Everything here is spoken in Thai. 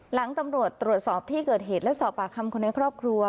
หลังตำรวจตรวจสอบที่เกิดเหตุและสอบปากคำคนในครอบครัว